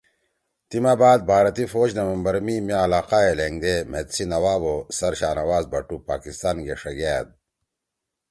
تی ما بعد بھارتی فوج نومبر می مے علاقہ ئے لھینگدے مھید سی نواب او سر شاہنواز بھٹو پاکستان گے ݜیگأد